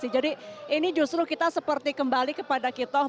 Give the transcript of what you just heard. ini justru kita seperti kembali kepada kitoh